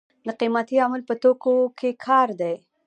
د قیمتۍ عامل په توکو کې کار دی.